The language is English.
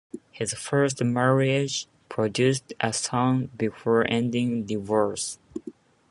His first marriage produced a son before ending in divorce.